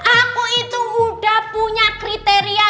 aku itu udah punya kriteria